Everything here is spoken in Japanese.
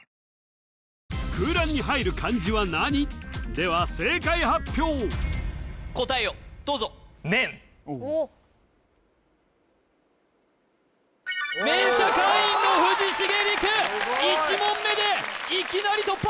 では正解発表答えをどうぞＭＥＮＳＡ会員の藤重吏玖１問目でいきなり突破